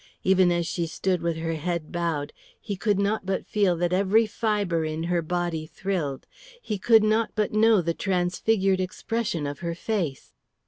Even as she stood with her bowed head, he could not but feel that every fibre in her body thrilled; he could not but know the transfigured expression of her face.